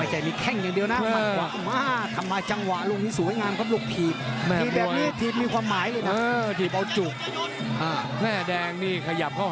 ไม่ใช่มีแข้งอย่างเดียวนะมันกว้างมาก